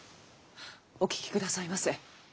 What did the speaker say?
お聞き下さいませ。